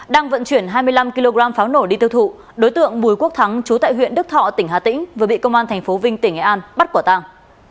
đang vận chuyển hai mươi năm kg pháo nổ đi tiêu thụ đối tượng bùi quốc thắng chú tại huyện đức thọ tỉnh hà tĩnh vừa bị công an tp vinh tỉnh nghệ an bắt quả tàng